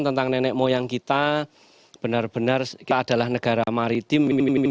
tentang nenek moyang kita benar benar kita adalah negara maritim